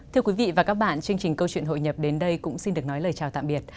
thưa quý vị và các bạn chương trình câu chuyện hội nhập đến đây cũng xin được nói lời chào tạm biệt